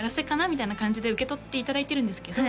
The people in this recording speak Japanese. みたいな感じで受け取っていただいてるんですけど